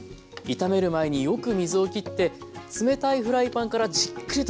炒める前によく水をきって冷たいフライパンからじっくりと焼きます。